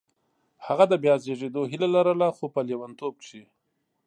هغه د بیا زېږېدو هیله لرله خو په لېونتوب کې